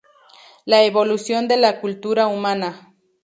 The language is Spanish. La evolución de la cultura humana".